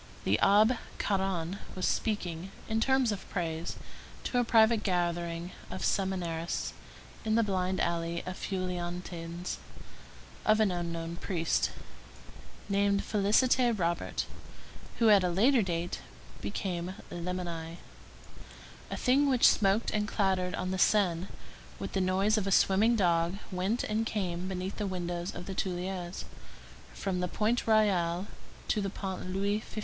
The Abbé Caron was speaking, in terms of praise, to a private gathering of seminarists in the blind alley of Feuillantines, of an unknown priest, named Félicité Robert, who, at a latter date, became Lamennais. A thing which smoked and clattered on the Seine with the noise of a swimming dog went and came beneath the windows of the Tuileries, from the Pont Royal to the Pont Louis XV.